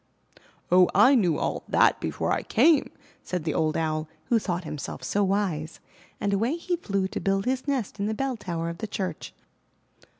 '*0h, I knew all that before I came," said the old Owl, who thought himself so wise, and away he flew to build his nest in the bell tower of the church.